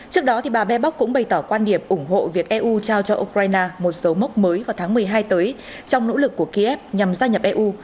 trước đó bà bebock cũng bày tỏ quan điểm ủng hộ việc eu trao cho ukraine một số mốc mới vào tháng một mươi hai tới trong nỗ lực của kiev nhằm gia nhập eu